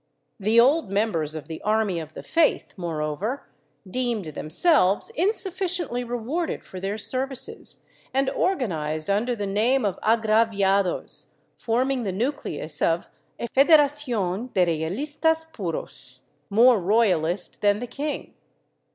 The old members of the Army of the Faith, moreover, deemed themselves insufficiently rewarded for their services, and organized under the name of Agraviados, forming the nucleus of a ''Federacion de Realistas puros," more royalist than the king.